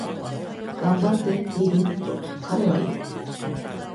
「頑張って、ビル」と彼は言う。